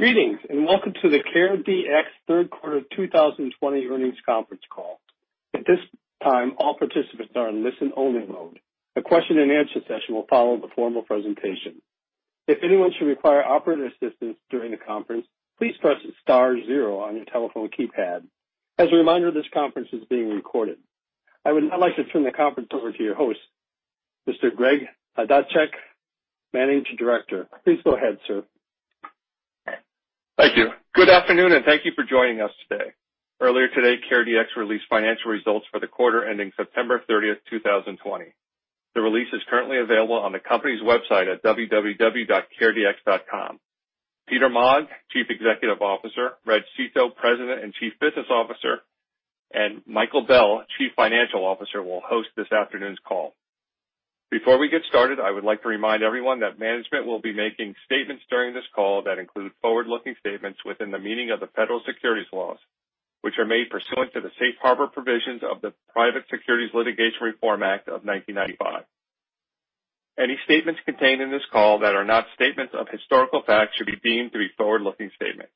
Greetings, and welcome to the CareDx third quarter 2020 earnings conference call. At this time, all participants are in listen-only mode. A question-and-answer session will follow the formal presentation. If anyone should require operator assistance during the conference, please press star zero on your telephone keypad. As a reminder, this conference is being recorded. I would now like to turn the conference over to your host, Mr. Greg Chodaczek, Managing Director. Please go ahead, sir. Thank you. Good afternoon, and thank you for joining us today. Earlier today, CareDx released financial results for the quarter ending September 30, 2020. The release is currently available on the company's website at www.caredx.com. Peter Maag, Chief Executive Officer, Reg Seeto, President and Chief Business Officer, and Michael Bell, Chief Financial Officer, will host this afternoon's call. Before we get started, I would like to remind everyone that management will be making statements during this call that include forward-looking statements within the meaning of the federal securities laws, which are made pursuant to the Safe Harbor provisions of the Private Securities Litigation Reform Act of 1995. Any statements contained in this call that are not statements of historical fact should be deemed to be forward-looking statements.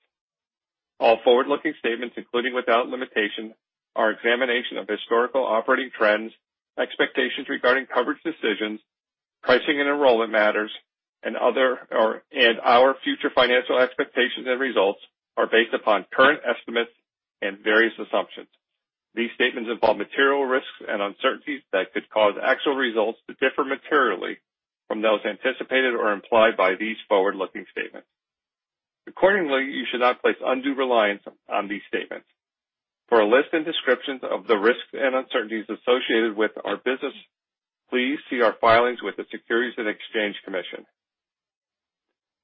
All forward-looking statements, including without limitation, our examination of historical operating trends, expectations regarding coverage decisions, pricing and enrollment matters, and our future financial expectations and results, are based upon current estimates and various assumptions. These statements involve material risks and uncertainties that could cause actual results to differ materially from those anticipated or implied by these forward-looking statements. Accordingly, you should not place undue reliance on these statements. For a list and descriptions of the risks and uncertainties associated with our business, please see our filings with the Securities and Exchange Commission.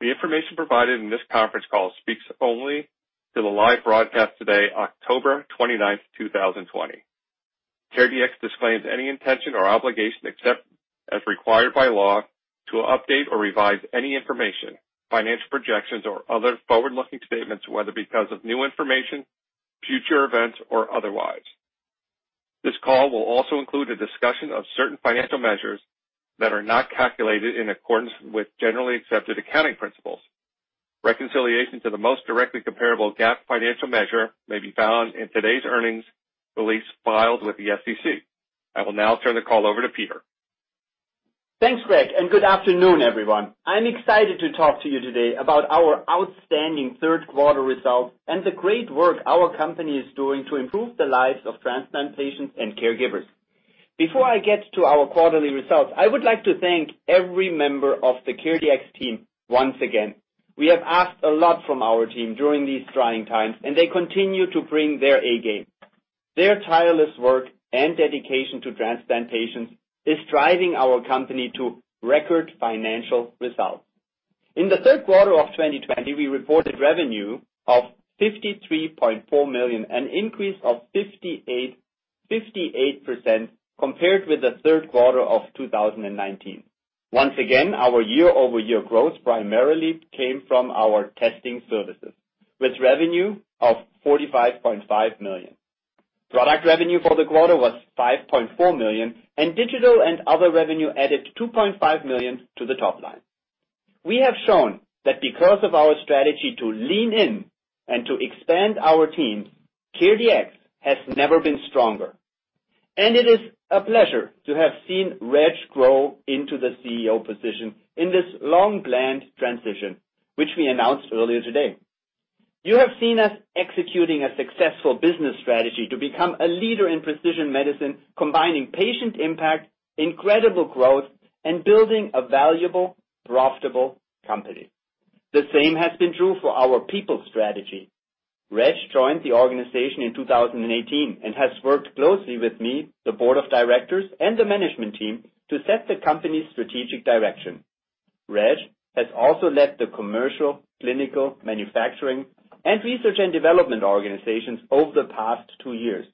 The information provided in this conference call speaks only to the live broadcast today, October 29th, 2020. CareDx disclaims any intention or obligation, except as required by law, to update or revise any information, financial projections, or other forward-looking statements, whether because of new information, future events, or otherwise. This call will also include a discussion of certain financial measures that are not calculated in accordance with generally accepted accounting principles. Reconciliation to the most directly comparable GAAP financial measure may be found in today's earnings release filed with the SEC. I will now turn the call over to Peter. Thanks, Greg, and good afternoon, everyone. I'm excited to talk to you today about our outstanding third quarter results and the great work our company is doing to improve the lives of transplant patients and caregivers. Before I get to our quarterly results, I would like to thank every member of the CareDx team once again. We have asked a lot from our team during these trying times, and they continue to bring their A-game. Their tireless work and dedication to transplant patients is driving our company to record financial results. In the third quarter of 2020, we reported revenue of $53.4 million, an increase of 58% compared with the third quarter of 2019. Once again, our year-over-year growth primarily came from our testing services, with revenue of $45.5 million. Product revenue for the quarter was $5.4 million, and digital and other revenue added $2.5 million to the top line. We have shown that because of our strategy to lean in and to expand our teams, CareDx has never been stronger, and it is a pleasure to have seen Reg grow into the CEO position in this long-planned transition, which we announced earlier today. You have seen us executing a successful business strategy to become a leader in precision medicine, combining patient impact, incredible growth, and building a valuable, profitable company. The same has been true for our people strategy. Reg joined the organization in 2018 and has worked closely with me, the board of directors, and the management team to set the company's strategic direction. Reg has also led the commercial, clinical, manufacturing, and research and development organizations over the past two years,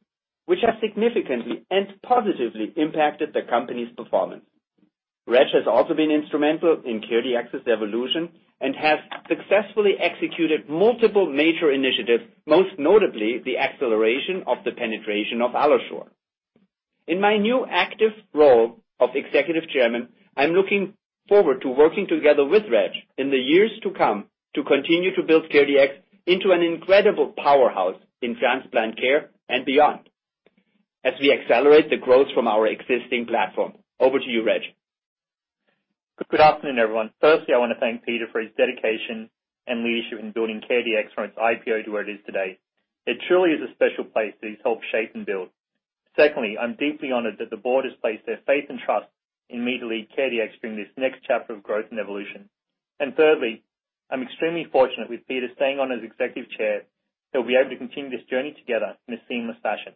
which have significantly and positively impacted the company's performance. Reg has also been instrumental in CareDx's evolution and has successfully executed multiple major initiatives, most notably the acceleration of the penetration of AlloSure. In my new active role of executive chairman, I'm looking forward to working together with Reg in the years to come to continue to build CareDx into an incredible powerhouse in transplant care and beyond as we accelerate the growth from our existing platform. Over to you, Reg. Good afternoon, everyone. Firstly, I want to thank Peter for his dedication and leadership in building CareDx from its IPO to where it is today. It truly is a special place that he's helped shape and build. Secondly, I'm deeply honored that the board has placed their faith and trust in me to lead CareDx during this next chapter of growth and evolution. Thirdly, I'm extremely fortunate with Peter staying on as Executive Chair, that we'll be able to continue this journey together in a seamless fashion.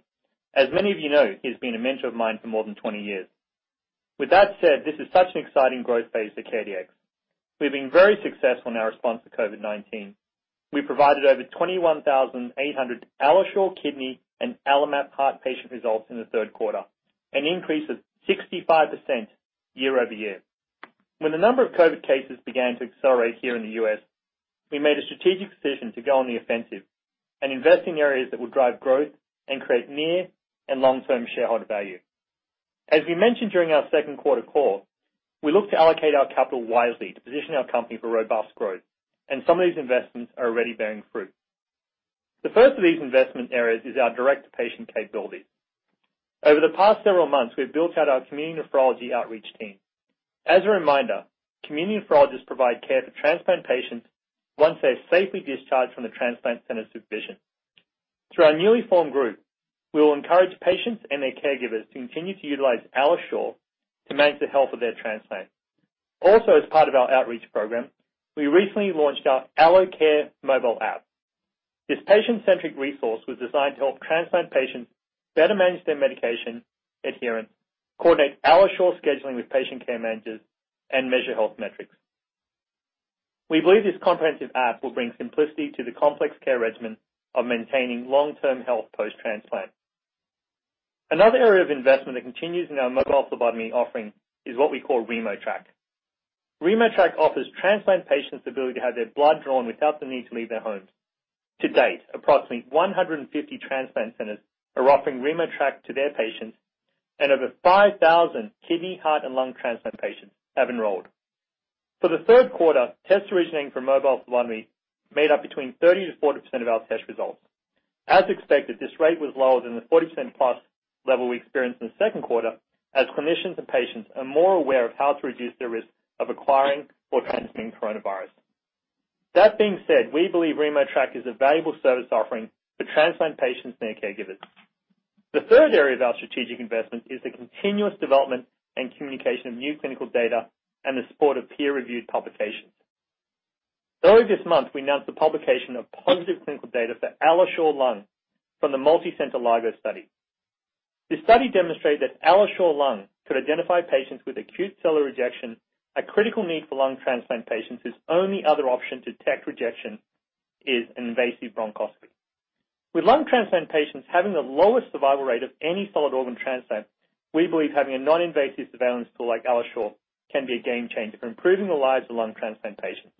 As many of you know, he's been a mentor of mine for more than 20 years. With that said, this is such an exciting growth phase for CareDx. We've been very successful in our response to COVID-19. We provided over 21,800 AlloSure Kidney and AlloMap Heart patient results in the third quarter, an increase of 65% year-over-year. When the number of COVID cases began to accelerate here in the U.S., we made a strategic decision to go on the offensive and invest in areas that would drive growth and create near and long-term shareholder value. As we mentioned during our second quarter call, we look to allocate our capital wisely to position our company for robust growth, and some of these investments are already bearing fruit. The first of these investment areas is our direct-to-patient capability. Over the past several months, we've built out our community nephrology outreach team. As a reminder, community nephrologists provide care to transplant patients once they're safely discharged from the transplant center supervision. Through our newly formed group, we will encourage patients and their caregivers to continue to utilize AlloSure to manage the health of their transplant. Also, as part of our outreach program, we recently launched our AlloCare mobile app. This patient-centric resource was designed to help transplant patients better manage their medication adherence, coordinate AlloSure scheduling with patient care managers, and measure health metrics. We believe this comprehensive app will bring simplicity to the complex care regimen of maintaining long-term health post-transplant. Another area of investment that continues in our mobile phlebotomy offering is what we call RemoTraC. RemoTraC offers transplant patients the ability to have their blood drawn without the need to leave their homes. To date, approximately 150 transplant centers are offering RemoTraC to their patients, and over 5,000 kidney, heart, and lung transplant patients have enrolled. For the third quarter, tests originating from mobile phlebotomy made up between 30%-40% of our test results. As expected, this rate was lower than the 40%+ level we experienced in the second quarter, as clinicians and patients are more aware of how to reduce their risk of acquiring or transmitting coronavirus. That being said, we believe RemoTraC is a valuable service offering for transplant patients and their caregivers. The third area of our strategic investment is the continuous development and communication of new clinical data and the support of peer-reviewed publications. Early this month, we announced the publication of positive clinical data for AlloSure Lung from the multi-center LARGO study. This study demonstrated that AlloSure Lung could identify patients with acute cellular rejection, a critical need for lung transplant patients whose only other option to detect rejection is an invasive bronchoscopy. With lung transplant patients having the lowest survival rate of any solid organ transplant, we believe having a non-invasive surveillance tool like AlloSure can be a game changer for improving the lives of lung transplant patients.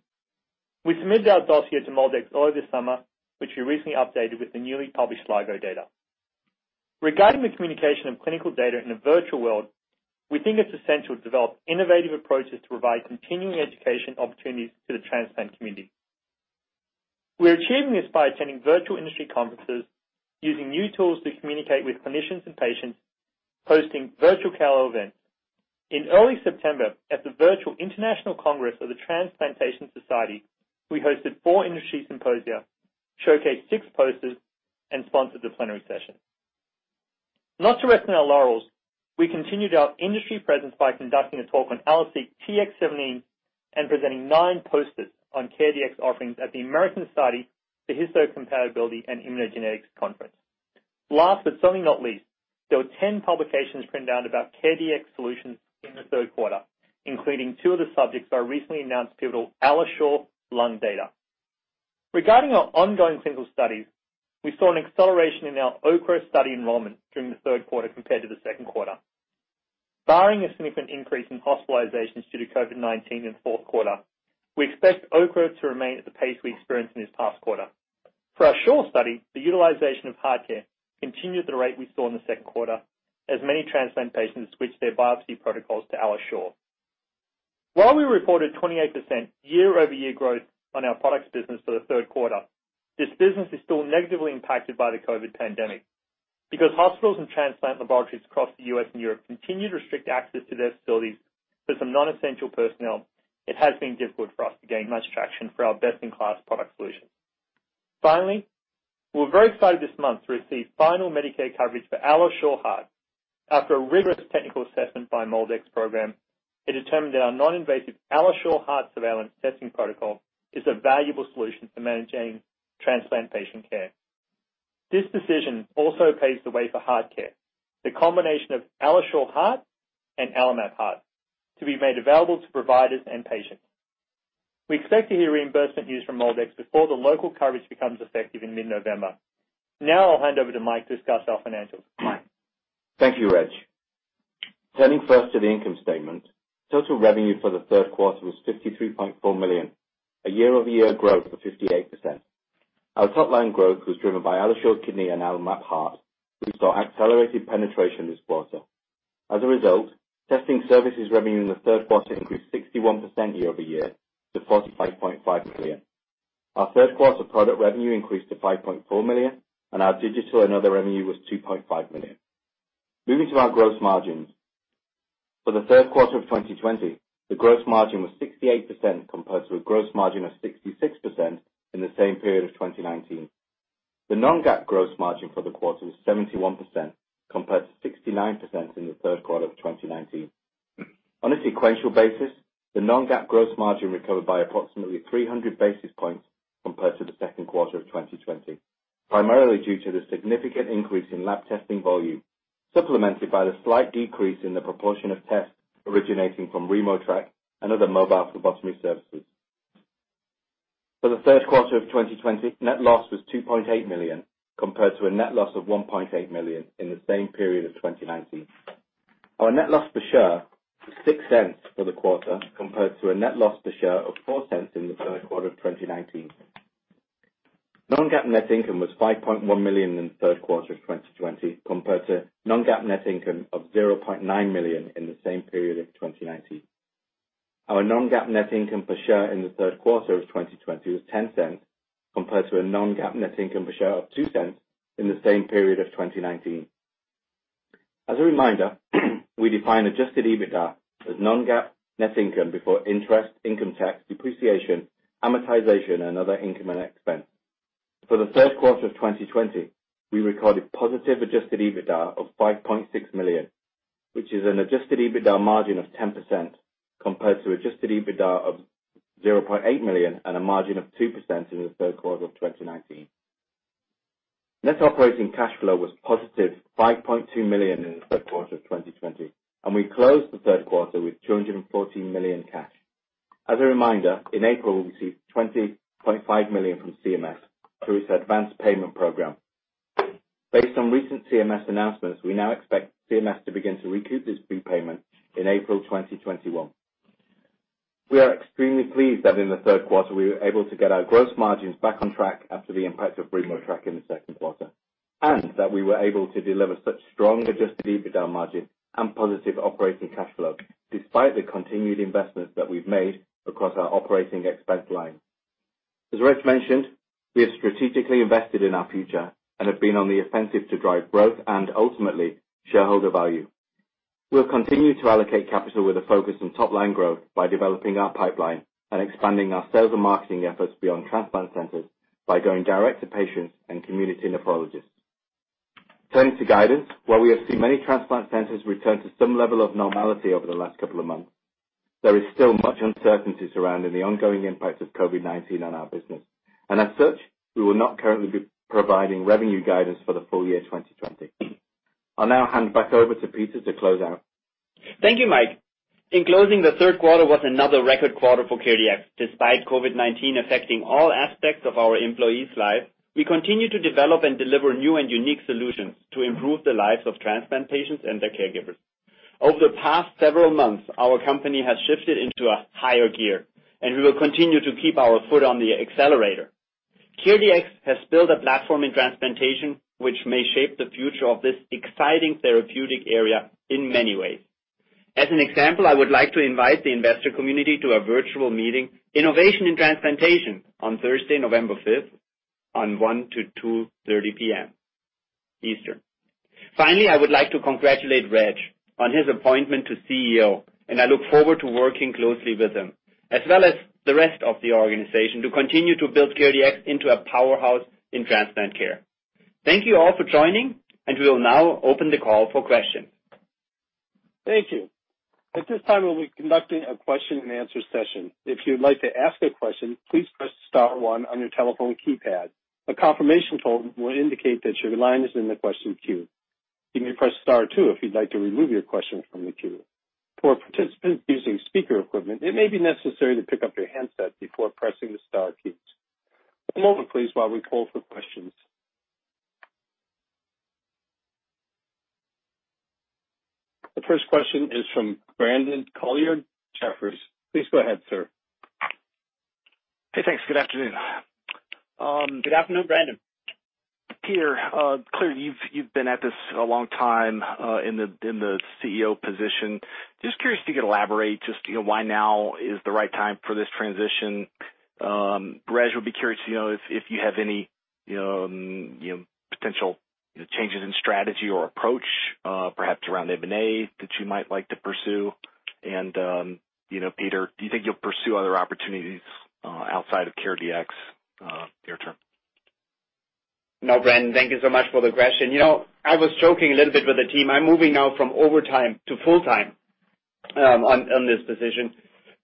We submitted our dossier to MolDX early this summer, which we recently updated with the newly published LARGO data. Regarding the communication of clinical data in a virtual world, we think it's essential to develop innovative approaches to provide continuing education opportunities to the transplant community. We're achieving this by attending virtual industry conferences, using new tools to communicate with clinicians and patients, hosting virtual care events. In early September, at the virtual International Congress of The Transplantation Society, we hosted four industry symposia, showcased six posters, and sponsored the plenary session. Not to rest on our laurels, we continued our industry presence by conducting a talk on AlloSeq Tx 17 and presenting nine posters on CareDx offerings at the American Society for Histocompatibility and Immunogenetics conference. Last but certainly not least, there were 10 publications printed out about CareDx solutions in the third quarter, including two of the subjects our recently announced pivotal AlloSure Lung data. Regarding our ongoing clinical studies, we saw an acceleration in our OKRA study enrollment during the third quarter compared to the second quarter. Barring a significant increase in hospitalizations due to COVID-19 in the fourth quarter, we expect OKRA to remain at the pace we experienced in this past quarter. For our SHORE study, the utilization of HeartCare continued at the rate we saw in the second quarter, as many transplant patients switched their biopsy protocols to AlloSure. While we reported 28% year-over-year growth on our products business for the third quarter, this business is still negatively impacted by the COVID pandemic. Because hospitals and transplant laboratories across the U.S. and Europe continue to restrict access to their facilities for some non-essential personnel, it has been difficult for us to gain much traction for our best-in-class product solutions. Finally, we were very excited this month to receive final Medicare coverage for AlloSure Heart. After a rigorous technical assessment by MolDX program, it determined that our non-invasive AlloSure Heart surveillance testing protocol is a valuable solution for managing transplant patient care. This decision also paves the way for HeartCare, the combination of AlloSure Heart and AlloMap Heart to be made available to providers and patients. We expect to hear reimbursement news from MolDX before the local coverage becomes effective in mid-November. Now I'll hand over to Mike to discuss our financials. Mike? Thank you, Reg. Turning first to the income statement, total revenue for the third quarter was $53.4 million, a year-over-year growth of 58%. Our top-line growth was driven by AlloSure Kidney and AlloMap Heart. We saw accelerated penetration this quarter. As a result, testing services revenue in the third quarter increased 61% year-over-year to $45.5 million. Our third quarter product revenue increased to $5.4 million, and our digital and other revenue was $2.5 million. Moving to our gross margins. For the third quarter of 2020, the gross margin was 68%, compared to a gross margin of 66% in the same period of 2019. The non-GAAP gross margin for the quarter was 71%, compared to 69% in the third quarter of 2019. On a sequential basis, the non-GAAP gross margin recovered by approximately 300 basis points compared to the second quarter of 2020, primarily due to the significant increase in lab testing volume, supplemented by the slight decrease in the proportion of tests originating from RemoTraC and other mobile phlebotomy services. For the third quarter of 2020, net loss was $2.8 million, compared to a net loss of $1.8 million in the same period of 2019. Our net loss per share was $0.06 for the quarter, compared to a net loss per share of $0.04 in the third quarter of 2019. Non-GAAP net income was $5.1 million in the third quarter of 2020, compared to non-GAAP net income of $0.9 million in the same period of 2019. Our non-GAAP net income per share in the third quarter of 2020 was $0.10, compared to a non-GAAP net income per share of $0.02 in the same period of 2019. As a reminder, we define adjusted EBITDA as non-GAAP net income before interest, income tax, depreciation, amortization, and other income and expense. For the third quarter of 2020, we recorded positive adjusted EBITDA of $5.6 million, which is an adjusted EBITDA margin of 10%, compared to adjusted EBITDA of $0.8 million and a margin of 2% in the third quarter of 2019. Net operating cash flow was positive $5.2 million in the third quarter of 2020, and we closed the third quarter with $214 million cash. As a reminder, in April, we received $20.5 million from CMS through its advanced payment program. Based on recent CMS announcements, we now expect CMS to begin to recoup this repayment in April 2021. We are extremely pleased that in the third quarter, we were able to get our gross margins back on track after the impact of RemoTraC in the second quarter, and that we were able to deliver such strong adjusted EBITDA margin and positive operating cash flow despite the continued investments that we've made across our operating expense line. As Reg mentioned, we have strategically invested in our future and have been on the offensive to drive growth and ultimately shareholder value. We'll continue to allocate capital with a focus on top-line growth by developing our pipeline and expanding our sales and marketing efforts beyond transplant centers by going direct to patients and community nephrologists. Turning to guidance, while we have seen many transplant centers return to some level of normality over the last couple of months, there is still much uncertainty surrounding the ongoing impact of COVID-19 on our business, and as such, we will not currently be providing revenue guidance for the full year 2020. I'll now hand back over to Peter to close out. Thank you, Mike. In closing, the third quarter was another record quarter for CareDx, despite COVID-19 affecting all aspects of our employees' lives. We continue to develop and deliver new and unique solutions to improve the lives of transplant patients and their caregivers. Over the past several months, our company has shifted into a higher gear, and we will continue to keep our foot on the accelerator. CareDx has built a platform in transplantation which may shape the future of this exciting therapeutic area in many ways. As an example, I would like to invite the investor community to a virtual meeting, Innovation in Transplantation, on Thursday, November 5th, from 1:00 to 2:30 P.M. Eastern. I would like to congratulate Reg on his appointment to CEO, and I look forward to working closely with him, as well as the rest of the organization, to continue to build CareDx into a powerhouse in transplant care. Thank you all for joining. We will now open the call for questions. Thank you. At this time, We will be conducting a question-and-answer session. If you'd like to ask a question, please press star one on your telephone keypad. A confirmation tone will indicate that your line is in the question queue. You may press star two if you would like remove your question from the queue. For participants using speaker equipment, it may be necessary to pick up your handset before pressing the star keys. One moment please while we poll for questions. The first question is from Brandon Couillard, Jefferies. Please go ahead, sir. Hey, thanks. Good afternoon. Good afternoon, Brandon. Peter, clearly, you've been at this a long time in the CEO position. Just curious if you could elaborate just why now is the right time for this transition. Reg, would be curious if you have any potential changes in strategy or approach, perhaps around M&A that you might like to pursue. Peter, do you think you'll pursue other opportunities outside of CareDx? Your turn. No, Brandon, thank you so much for the question. I was joking a little bit with the team. I'm moving now from overtime to full-time on this position.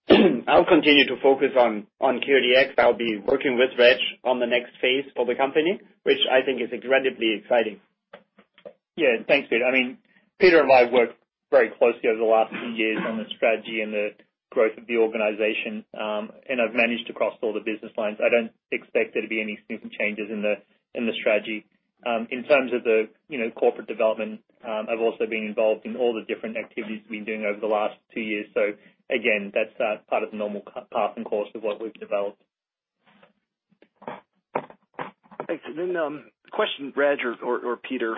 I'll continue to focus on CareDx. I'll be working with Reg on the next phase for the company, which I think is incredibly exciting. Yeah. Thanks, Peter. Peter and I have worked very closely over the last few years on the strategy and the growth of the organization, and I've managed across all the business lines. I don't expect there to be any significant changes in the strategy. In terms of the corporate development, I've also been involved in all the different activities we've been doing over the last two years. Again, that's part of the normal path and course of what we've developed. Thanks. Question, Reg or Peter,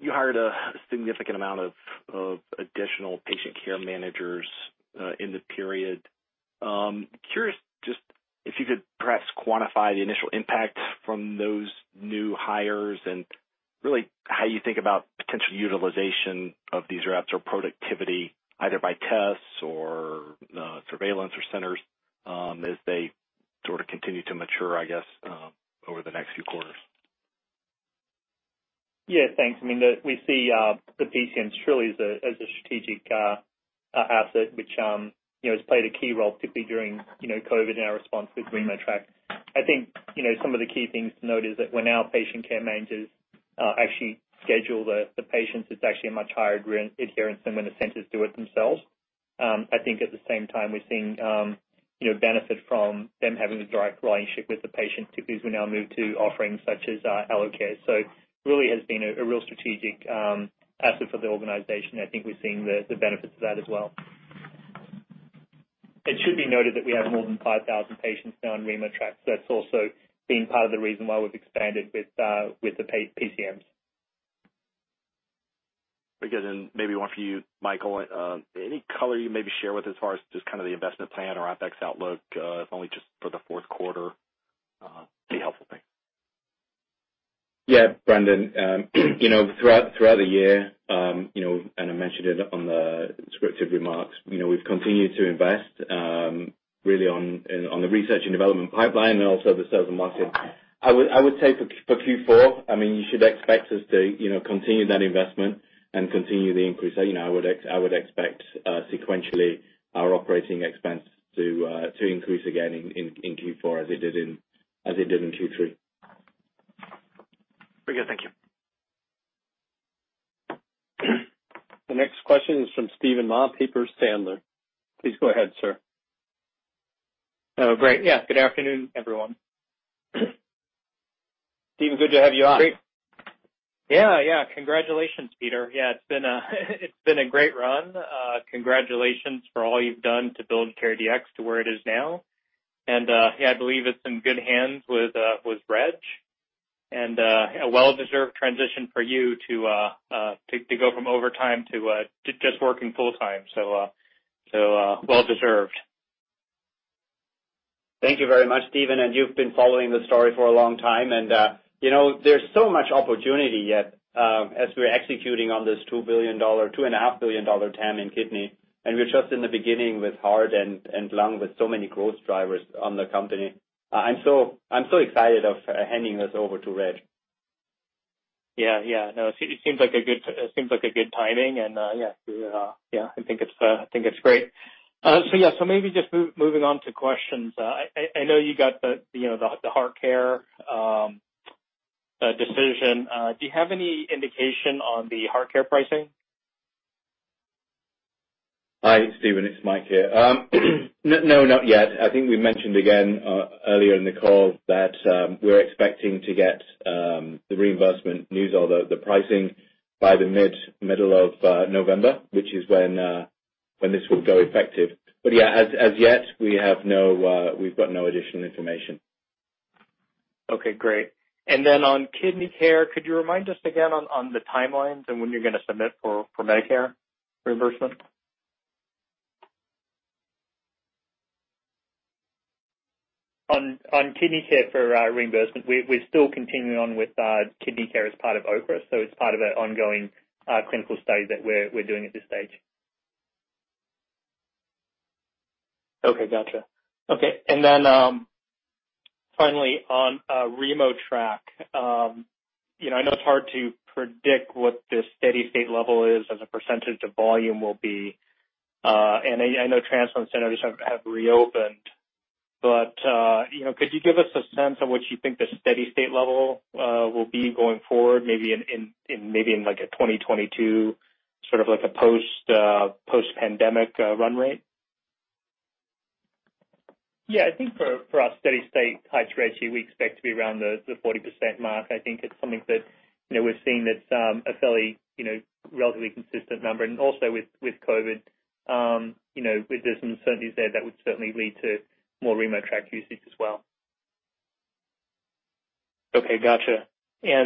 you hired a significant amount of additional patient care managers in the period. Curious just if you could perhaps quantify the initial impact from those new hires and really how you think about potential utilization of these reps or productivity either by tests or surveillance or centers as they sort of continue to mature, I guess, over the next few quarters. Thanks. We see the PCMs truly as a strategic asset, which has played a key role typically during COVID in our response with RemoTraC. I think some of the key things to note is that when our patient care managers actually schedule the patients, it's actually a much higher adherence than when the centers do it themselves. I think at the same time, we're seeing benefit from them having a direct relationship with the patient, typically as we now move to offerings such as AlloCare. Really has been a real strategic asset for the organization, and I think we're seeing the benefits of that as well. It should be noted that we have more than 5,000 patients now on RemoTraC. That's also been part of the reason why we've expanded with the PCMs. Very good. Maybe one for you, Michael. Any color you may share with as far as just the investment plan or OpEx outlook, if only just for the fourth quarter? Be helpful. Thanks. Yeah, Brandon. Throughout the year, and I mentioned it on the descriptive remarks, we've continued to invest really on the research and development pipeline and also the sales and marketing. I would say for Q4, you should expect us to continue that investment and continue the increase. I would expect sequentially our operating expense to increase again in Q4 as it did in Q3. Very good. Thank you. The next question is from Steven Mah, Piper Sandler. Please go ahead, sir. Oh, great. Yeah. Good afternoon, everyone. Steven, good to have you on. Great. Yeah. Congratulations, Peter. It's been a great run. Congratulations for all you've done to build CareDx to where it is now. I believe it's in good hands with Reg, and a well-deserved transition for you to go from overtime to just working full time. Well deserved. Thank you very much, Steven. You've been following this story for a long time and there's so much opportunity yet, as we're executing on this $2 billion, $2.5 billion TAM in kidney, and we're just in the beginning with heart and lung with so many growth drivers on the company. I'm so excited of handing this over to Reg. Yeah. No, it seems like a good timing and, yeah. I think it's great. Yeah. Maybe just moving on to questions. I know you got the HeartCare decision. Do you have any indication on the HeartCare pricing? Hi, Steven. It's Mike here. No, not yet. I think we mentioned again, earlier in the call that we're expecting to get the reimbursement news or the pricing by the middle of November, which is when this will go effective. Yeah, as yet, we've got no additional information. Okay, great. On KidneyCare, could you remind us again on the timelines and when you're going to submit for Medicare reimbursement? On KidneyCare for reimbursement, we're still continuing on with KidneyCare as part of OKRA. It's part of an ongoing clinical study that we're doing at this stage. Okay, got you. Okay. Finally on RemoTraC. I know it's hard to predict what the steady state level is as a percentage of volume will be. I know transplant centers have reopened. Could you give us a sense on what you think the steady state level will be going forward, maybe in like a 2022, sort of like a post-pandemic run rate? Yeah, I think for our steady-state type ratio, we expect to be around the 40% mark. I think it's something that we're seeing that's a fairly, relatively consistent number. Also with COVID, there's some uncertainties there that would certainly lead to more RemoTraC usage as well. Okay. Got you.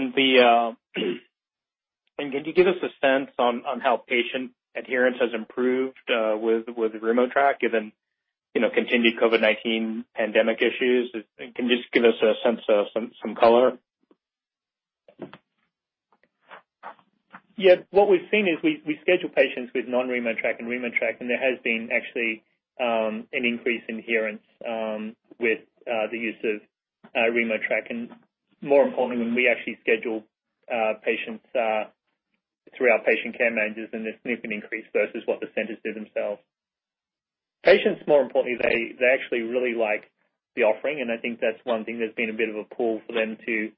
Could you give us a sense on how patient adherence has improved with RemoTraC given continued COVID-19 pandemic issues? Can you just give us a sense of some color? Yeah. What we've seen is we schedule patients with non-RemoTraC and RemoTraC, there has been actually an increase in adherence with the use of RemoTraC. More importantly, when we actually schedule patients through our patient care managers and there's significant increase versus what the centers do themselves. Patients, more importantly, they actually really like the offering and I think that's one thing that's been a bit of a pull for them to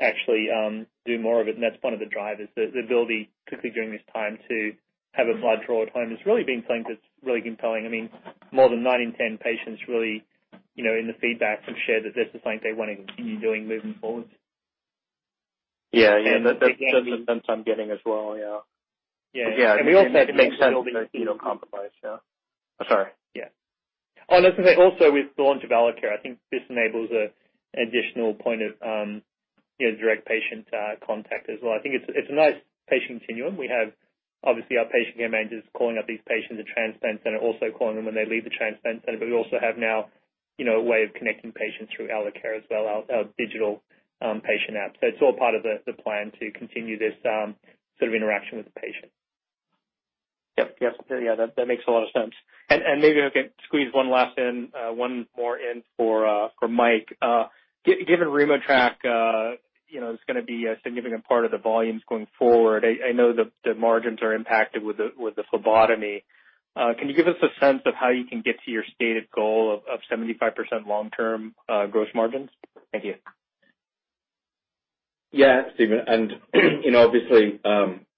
actually do more of it, and that's one of the drivers. The ability, particularly during this time, to have a blood draw at home, has really been something that's really compelling. More than nine in 10 patients really, in the feedback, have shared that this is something they want to continue doing moving forward. Yeah. That's the sense I'm getting as well, yeah. Yeah. Yeah. It makes sense, you know, compromise, yeah. Sorry. Yeah. I was going to say also with the launch of AlloCare, I think this enables an additional point of direct patient contact as well. I think it's a nice patient continuum. We have, obviously, our patient care managers calling up these patients, the transplant center also calling them when they leave the transplant center. We also have now a way of connecting patients through AlloCare as well, our digital patient app. It's all part of the plan to continue this sort of interaction with the patient. Yep. Yeah. That makes a lot of sense. Maybe I can squeeze one last in, one more in for Mike. Given RemoTraC is going to be a significant part of the volumes going forward, I know the margins are impacted with the phlebotomy. Can you give us a sense of how you can get to your stated goal of 75% long-term gross margins? Thank you. Yeah, Steven. Obviously,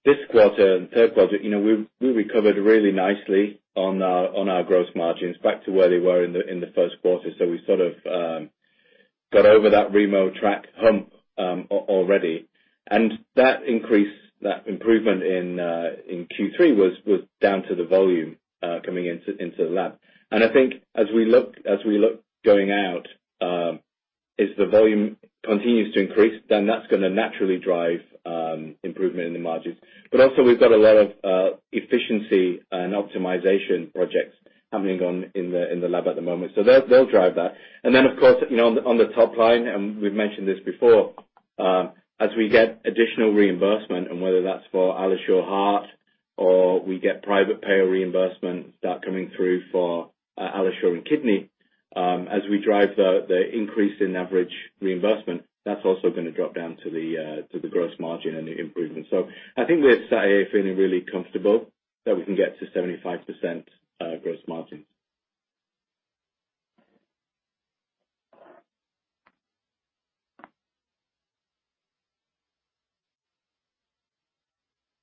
this quarter and third quarter, we recovered really nicely on our gross margins back to where they were in the first quarter. We sort of got over that RemoTraC hump already. That increase, that improvement in Q3 was down to the volume coming into the lab. I think as we look going out, as the volume continues to increase, that's going to naturally drive improvement in the margins. Also we've got a lot of efficiency and optimization projects happening in the lab at the moment. They'll drive that. Of course, on the top line, we've mentioned this before, as we get additional reimbursement and whether that's for AlloSure Heart or we get private payer reimbursement start coming through for AlloSure Kidney, as we drive the increase in average reimbursement, that's also going to drop down to the gross margin and the improvement. I think we're feeling really comfortable that we can get to 75% gross margins.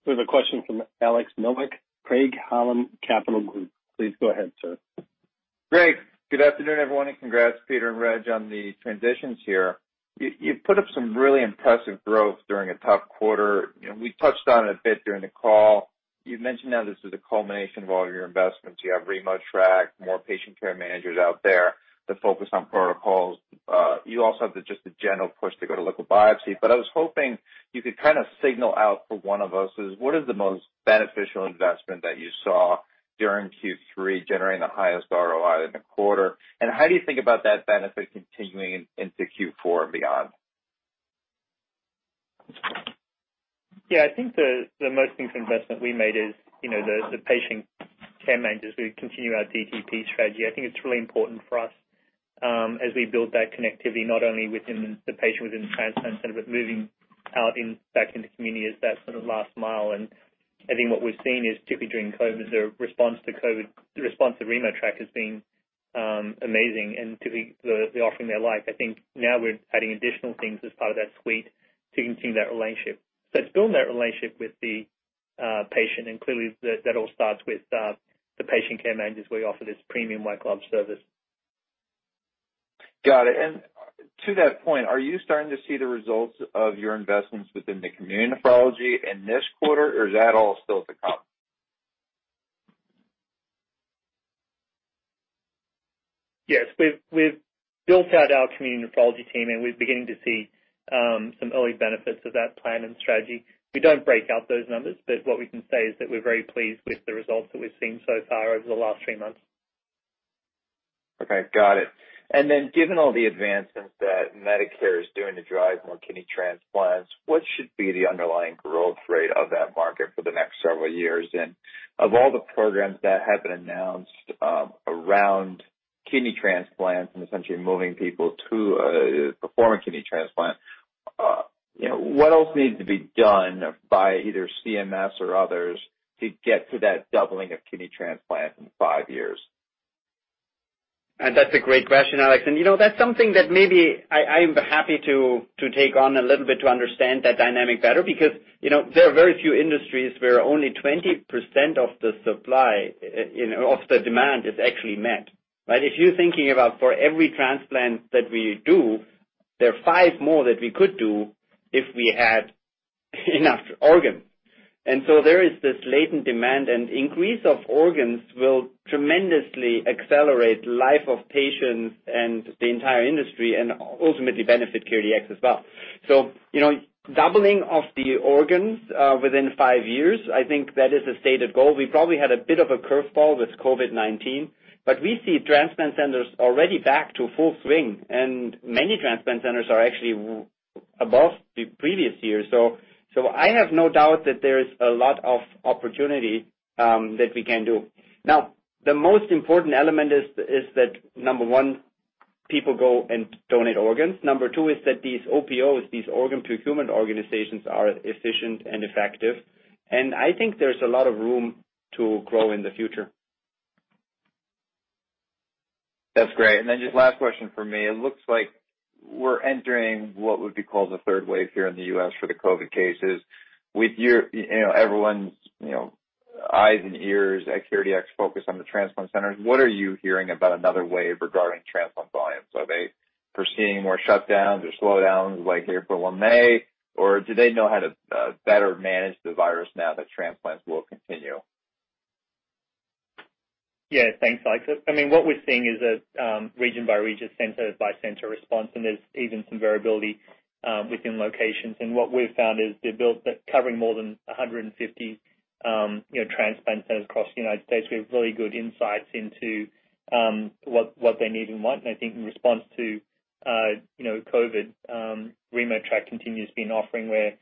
We have a question from Alex Nowak, Craig-Hallum Capital Group. Please go ahead, sir. Greg, good afternoon, everyone, and congrats, Peter and Reg, on the transitions here. You've put up some really impressive growth during a tough quarter. We touched on it a bit during the call. You've mentioned how this is a culmination of all your investments. You have RemoTraC, more patient care managers out there, the focus on protocols. You also have just the general push to go to local biopsy. I was hoping you could kind of signal out for one of us is what is the most beneficial investment that you saw during Q3 generating the highest ROI in the quarter, and how do you think about that benefit continuing into Q4 and beyond? Yeah, I think the most interesting investment we made is the patient care managers. We continue our DTP strategy. I think it's really important for us as we build that connectivity, not only within the patient, within the transplant center, but moving out back into community as that sort of last mile. I think what we've seen is typically during COVID, is the response to COVID, the response to RemoTraC has been amazing and typically they're offering their life. I think now we're adding additional things as part of that suite to continue that relationship. It's building that relationship with the patient. Clearly that all starts with the patient care managers where you offer this premium white glove service. Got it. To that point, are you starting to see the results of your investments within the community nephrology in this quarter or is that all still to come? Yes. We've built out our community nephrology team and we're beginning to see some early benefits of that plan and strategy. We don't break out those numbers, but what we can say is that we're very pleased with the results that we've seen so far over the last three months. Okay. Got it. Given all the advancements that Medicare is doing to drive more kidney transplants, what should be the underlying growth rate of that market for the next several years? Of all the programs that have been announced around kidney transplants and essentially moving people to perform a kidney transplant, what else needs to be done by either CMS or others to get to that doubling of kidney transplants in five years? That's a great question, Alex. That's something that maybe I am happy to take on a little bit to understand that dynamic better because there are very few industries where only 20% of the demand is actually met, right? If you're thinking about for every transplant that we do, there are five more that we could do if we had enough organs. There is this latent demand and increase of organs will tremendously accelerate life of patients and the entire industry, and ultimately benefit CareDx as well. Doubling of the organs within five years, I think that is a stated goal. We probably had a bit of a curveball with COVID-19, we see transplant centers already back to full swing, and many transplant centers are actually above the previous year. I have no doubt that there is a lot of opportunity that we can do. The most important element is that, number one, people go and donate organs. Number two is that these OPOs, these organ procurement organizations, are efficient and effective. I think there's a lot of room to grow in the future. That's great. Just last question from me. It looks like we're entering what would be called the third wave here in the U.S. for the COVID cases. With everyone's eyes and ears at CareDx focused on the transplant centers, what are you hearing about another wave regarding transplant volumes? Are they foreseeing more shutdowns or slowdowns like there were in May, or do they know how to better manage the virus now that transplants will continue? Yeah, thanks, Alex. What we're seeing is a region-by-region, center-by-center response, and there's even some variability within locations. What we've found is they're built covering more than 150 transplant centers across the United States. We have really good insights into what they need and want. I think in response to COVID, RemoTraC continues to be an offering where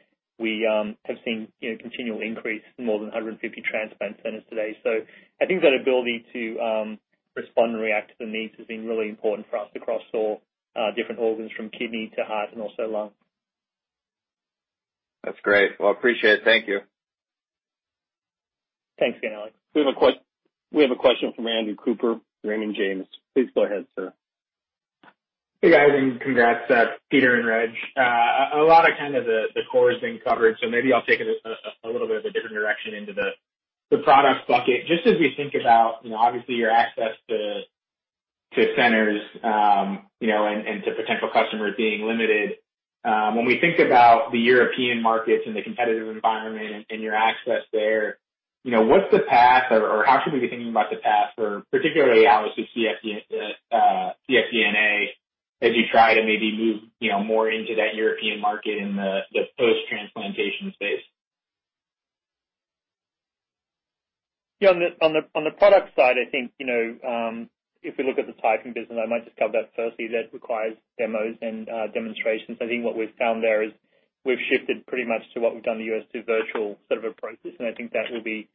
we have seen continual increase in more than 150 transplant centers today. I think that ability to respond and react to the needs has been really important for us across all different organs from kidney to heart and also lung. That's great. Well, appreciate it. Thank you. Thanks again, Alex. We have a question from Andrew Cooper, Raymond James. Please go ahead, sir. Hey, guys. Congrats, Peter and Reg. A lot of the core has been covered. Maybe I'll take it a little bit of a different direction into the The product bucket, just as we think about, obviously your access to centers, and to potential customers being limited. When we think about the European markets and the competitive environment and your access there, what's the path or how should we be thinking about the path for particularly AlloSure cfDNA as you try to maybe move more into that European market in the post-transplantation space? On the product side, I think, if we look at the typing business, I might just cover that firstly, that requires demos and demonstrations. I think what we've found there is we've shifted pretty much to what we've done in the U.S. to virtual sort of approach. I think that will be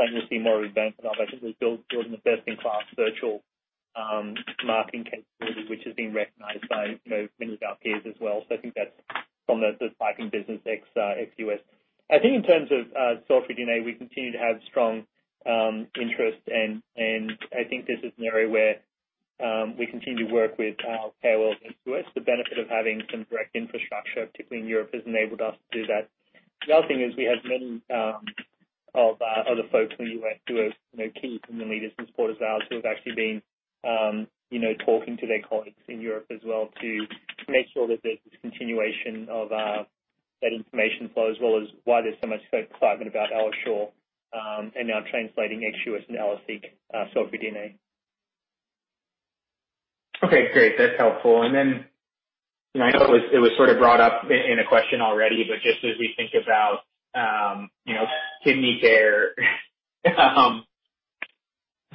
something we'll see more of advanced. I think we've built a best-in-class virtual marketing capability, which has been recognized by many of our peers as well. I think that's from the typing business, ex-U.S. I think in terms of cell-free DNA, we continue to have strong interest and I think this is an area where we continue to work with our payers into U.S. The benefit of having some direct infrastructure, particularly in Europe, has enabled us to do that. The other thing is we have many of our other folks who are key family leaders and supporters of ours who have actually been talking to their colleagues in Europe as well to make sure that there's this continuation of that information flow as well as why there's so much excitement about AlloSure, and now translating ex-US and AlloSeq, cell-free DNA. Okay, great. That's helpful. I know it was sort of brought up in a question already, but just as we think about KidneyCare,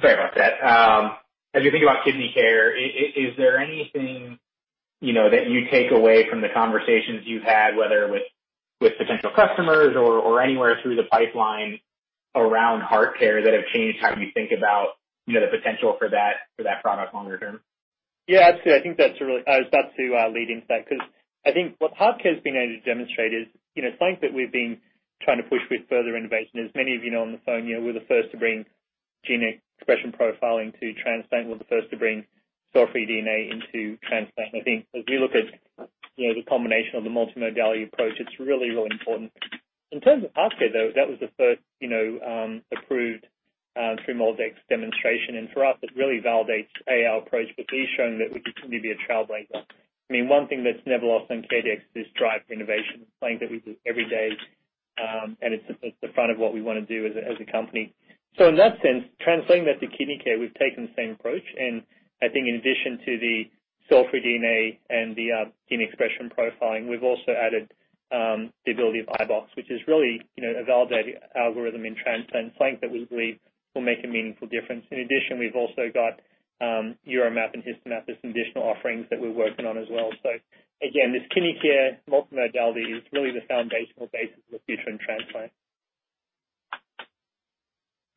sorry about that. As we think about KidneyCare, is there anything that you take away from the conversations you've had, whether with potential customers or anywhere through the pipeline around HeartCare that have changed how you think about the potential for that product longer term? Yeah, absolutely. I was about to lead into that because I think what HeartCare's been able to demonstrate is, something that we've been trying to push with further innovation, as many of you know on the phone, we're the first to bring gene expression profiling to transplant. We're the first to bring cell-free DNA into transplant. I think as we look at the combination of the multimodality approach, it's really important. In terms of HeartCare, though, that was the first approved [Trimoldex] demonstration. For us, it really validates, A, our approach, but B, showing that we can indeed be a trailblazer. One thing that's never lost in CareDx is drive for innovation, something that we do every day, and it's at the front of what we want to do as a company. In that sense, translating that to KidneyCare, we've taken the same approach. I think in addition to the cell-free DNA and the gene expression profiling, we've also added the ability of iBox, which is really a validated algorithm in transplant, something that we believe will make a meaningful difference. In addition, we've also got UroMap and HistoMap as some additional offerings that we're working on as well. Again, this KidneyCare multimodality is really the foundational basis of the future in transplant.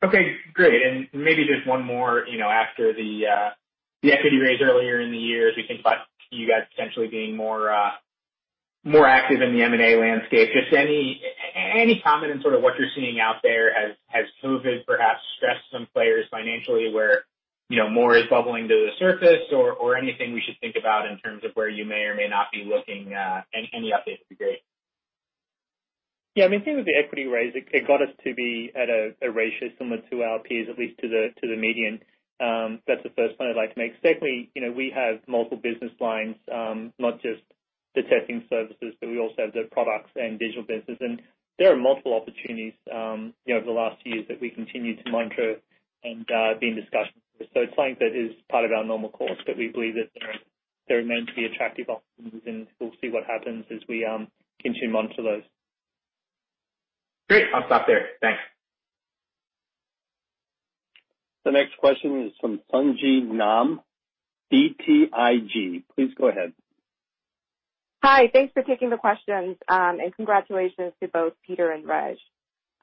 Okay, great. Maybe just one more, after the equity raise earlier in the year, as we think about you guys potentially being more active in the M&A landscape, just any comment on sort of what you're seeing out there as COVID perhaps stressed some players financially where more is bubbling to the surface or anything we should think about in terms of where you may or may not be looking? Any update would be great. Yeah, I mean, the thing with the equity raise, it got us to be at a ratio similar to our peers, at least to the median. That's the first point I'd like to make. Secondly, we have multiple business lines, not just the testing services, but we also have the products and digital business. There are multiple opportunities over the last few years that we continue to monitor and be in discussion with. It's something that is part of our normal course, but we believe that there are meant to be attractive options, and we'll see what happens as we continue to monitor those. Great. I'll stop there. Thanks. The next question is from Sung Ji Nam, BTIG. Please go ahead. Hi. Thanks for taking the questions. Congratulations to both Peter and Reg.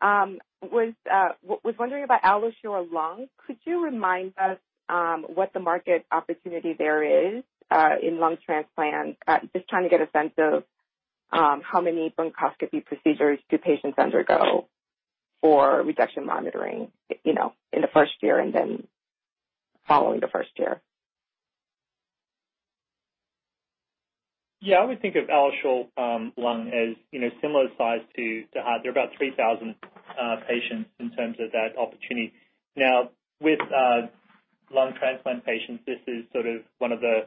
Was wondering about AlloSure Lung. Could you remind us what the market opportunity there is in lung transplant? Just trying to get a sense of how many bronchoscopy procedures do patients undergo for rejection monitoring in the first year and then following the first year. I would think of AlloSure Lung as similar size to heart. There are about 3,000 patients in terms of that opportunity. With lung transplant patients, this is sort of one of the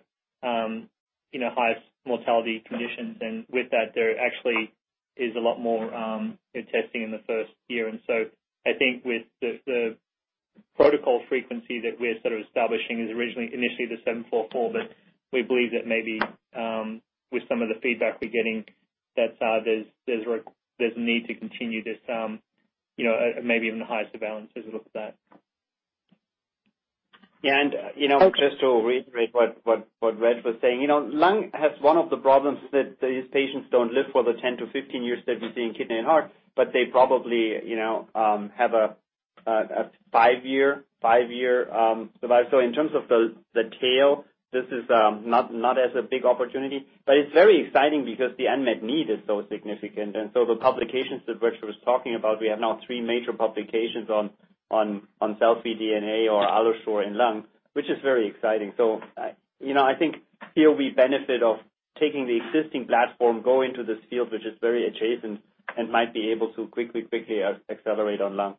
highest mortality conditions. With that, there actually is a lot more testing in the first year. I think with the protocol frequency that we're sort of establishing is originally initially the seven four four, we believe that maybe with some of the feedback we're getting, that there's a need to continue this maybe even higher surveillance as we look at that. Yeah. Just to reiterate what Reg was saying. Lung has one of the problems that these patients don't live for the 10 to 15 years that we see in kidney and heart, but they probably have a five-year survival. In terms of the tail, this is not as a big opportunity, but it's very exciting because the unmet need is so significant. The publications that Reg was talking about, we have now three major publications on cell-free DNA or AlloSure in lung, which is very exciting. I think here we benefit of taking the existing platform, go into this field, which is very adjacent, and might be able to quickly accelerate on lung.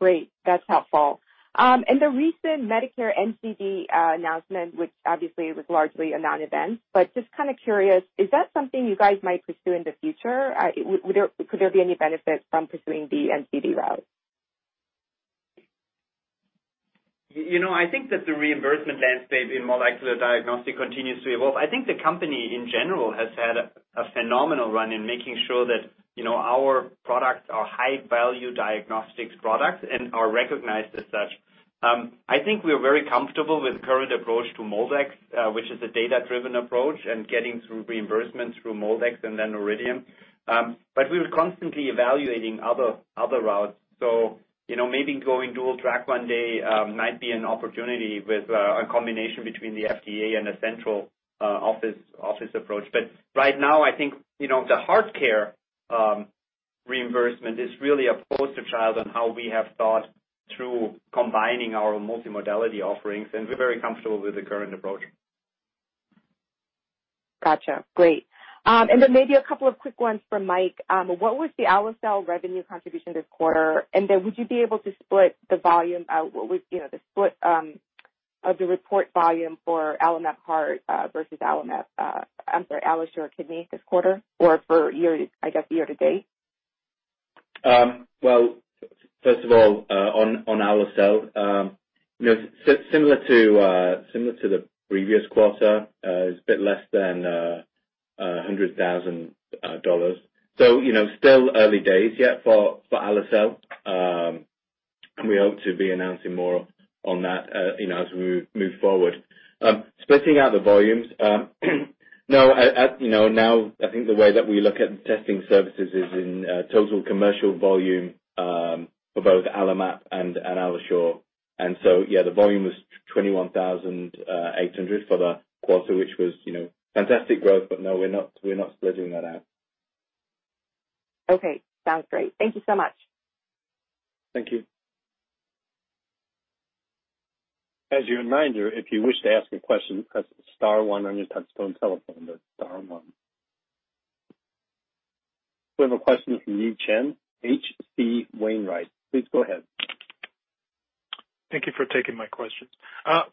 Great. That's helpful. In the recent Medicare NCD announcement, which obviously was largely a non-event, but just kind of curious, is that something you guys might pursue in the future? Could there be any benefit from pursuing the NCD route? I think that the reimbursement landscape in molecular diagnostic continues to evolve. I think the company, in general, has had a phenomenal run in making sure that our products are high-value diagnostic products and are recognized as such. I think we are very comfortable with the current approach to MolDX, which is a data-driven approach, and getting through reimbursement through MolDX and then Noridian. We're constantly evaluating other routes. Maybe going dual track one day might be an opportunity with a combination between the FDA and a central office approach. Right now, I think, the HeartCare reimbursement is really a poster child on how we have thought through combining our multimodality offerings, and we're very comfortable with the current approach. Got you. Great. Maybe a couple of quick ones for Mike. What was the AlloCell revenue contribution this quarter? Would you be able to split the report volume for AlloMap Heart versus AlloSure Kidney this quarter or for, I guess, year-to-date? Well, first of all, on AlloCell, similar to the previous quarter, it's a bit less than $100,000. Still early days yet for AlloCell. We hope to be announcing more on that as we move forward. Splitting out the volumes, now, I think the way that we look at testing services is in total commercial volume for both AlloMap and AlloSure. Yeah, the volume was 21,800 for the quarter, which was fantastic growth, no, we're not splitting that out. Okay. Sounds great. Thank you so much. Thank you. As a reminder, if you wish to ask a question, press star one on your touchtone telephone. That's star one. We have a question from Yi Chen, H.C. Wainwright. Please go ahead. Thank you for taking my question.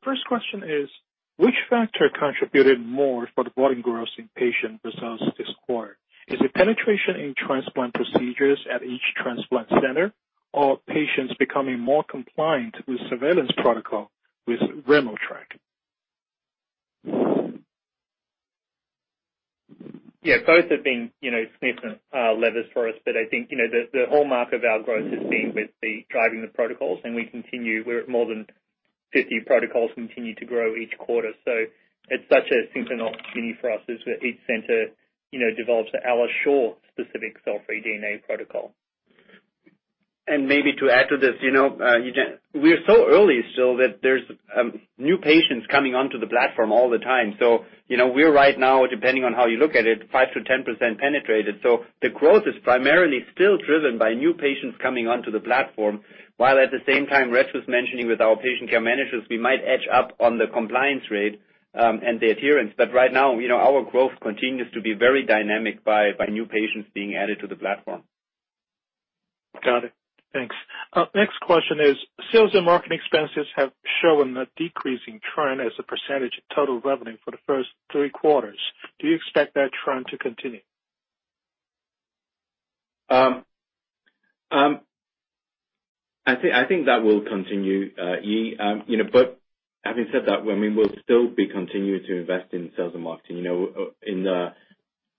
First question is, which factor contributed more for the volume growth in patient results this quarter? Is it penetration in transplant procedures at each transplant center, or patients becoming more compliant with surveillance protocol with RemoTraC? Yeah. Both have been significant levers for us. I think, the hallmark of our growth has been with the driving the protocols. We're at more than 50 protocols, continue to grow each quarter. It's such a signal opportunity for us as each center develops an AlloSure specific cell-free DNA protocol. Maybe to add to this, Yi Chen, we are so early still that there's new patients coming onto the platform all the time. We're right now, depending on how you look at it, 5%-10% penetrated. The growth is primarily still driven by new patients coming onto the platform, while at the same time, Reg was mentioning with our patient care managers, we might edge up on the compliance rate and the adherence. Right now, our growth continues to be very dynamic by new patients being added to the platform. Got it. Thanks. Next question is, sales and marketing expenses have shown a decreasing trend as a percentage of total revenue for the first three quarters. Do you expect that trend to continue? I think that will continue, Yi. Having said that, we will still be continuing to invest in sales and marketing.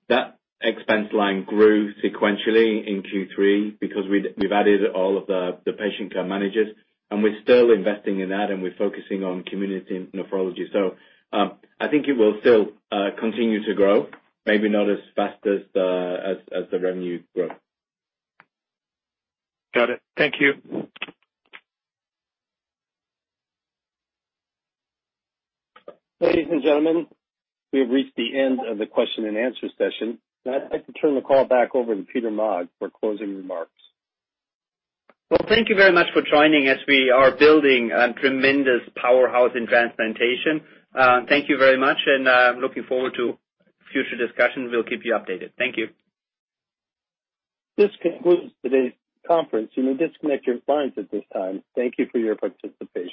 That expense line grew sequentially in Q3 because we've added all of the patient care managers, and we're still investing in that, and we're focusing on community nephrology. I think it will still continue to grow, maybe not as fast as the revenue growth. Got it. Thank you. Ladies and gentlemen, we have reached the end of the question and answer session, and I'd like to turn the call back over to Peter Maag for closing remarks. Well, thank you very much for joining as we are building a tremendous powerhouse in transplantation. Thank you very much, and looking forward to future discussions. We'll keep you updated. Thank you. This concludes today's conference. You may disconnect your lines at this time. Thank you for your participation.